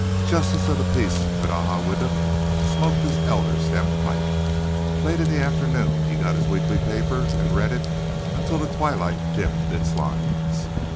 Justice of the peace Benaja Widdup smoked his elder stem pipe. Late in the afternoon he got his weekly paper, and read it until the twilight dimmed its lines.